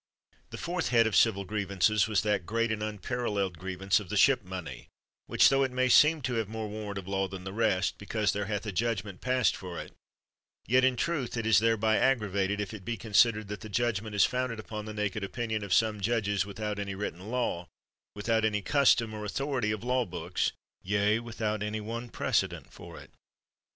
The fourth head of civil grievances was that great and unparalleled grievance of the ship money, which, tho it may seem to have more warrant of law than the rest, because there hath a judgment passed for it, yet in truth it is thereby aggravated, if it be considered that the judgment is founded upon the naked opinion of some judges without any written law, without any custom, or authority of law books, yea, with out any one precedent for it.